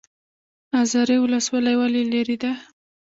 ازرې ولسوالۍ ولې لیرې ده؟